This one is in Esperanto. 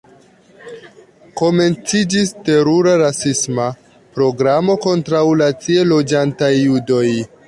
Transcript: Komenciĝis terura rasisma programo kontraŭ la tie loĝantaj judoj.